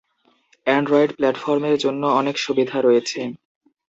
Android প্ল্যাটফর্মের জন্য অনেক সুবিধা রয়েছে